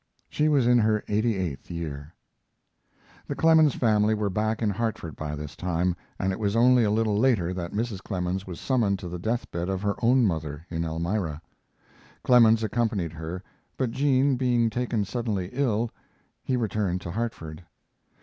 She was in her eighty eighth year. The Clemens family were back in Hartford by this time, and it was only a little later that Mrs. Clemens was summoned to the death bed of her own mother, in Elmira. Clemens accompanied her, but Jean being taken suddenly ill he returned to Hartford.